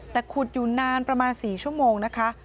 แต่ขุดอยู่นานประมาณ๔ชั่วโมงนะคะ